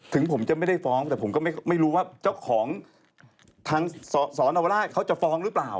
ถึงผมจะไม่ได้ฟ้องแต่ผมก็ไม่รู้ว่าเจ้าของทางสอนอวราชเขาจะฟ้องหรือเปล่า